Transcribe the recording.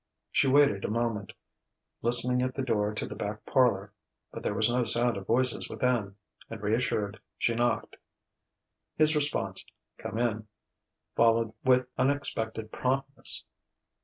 She waited a moment, listening at the door to the back parlour; but there was no sound of voices within; and reassured, she knocked. His response "Come in!" followed with unexpected promptness.